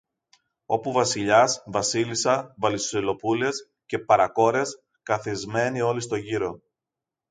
όπου Βασιλιάς, Βασίλισσα, Βασιλοπούλες και παρακόρες, καθισμένοι όλοι στο γύρο